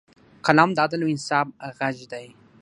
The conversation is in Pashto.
قلم د عدل او انصاف غږ دی